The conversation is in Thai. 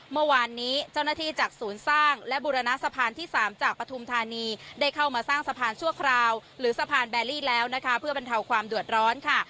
เมื่อวานนี้เจ้าหน้าที่จากศูนย์สร้างและบุรณสะพานที่๓จากปฐุมธานีได้เข้ามาสร้างสะพานชั่วคราวหรือสะพานแบรี่แล้วนะคะเพื่อบรรเทาความเดือดร้อนค่ะ